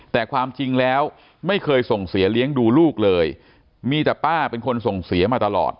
แต่ความจริงแล้วไม่เคยส่งเสียเลี้ยงดูลูกเลยมีแต่ป้าเป็นคนส่งเสียมาตลอด